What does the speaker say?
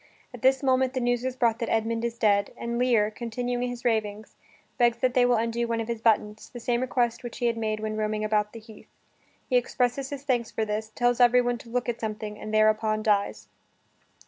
At this moment the news is brought that Edmund is dead, and Lear, continuing his ravings, begs that they will undo one of his buttons the same request which he had made when roaming about the heath. He expresses his thanks for this, tells everyone to look at something, and thereupon dies.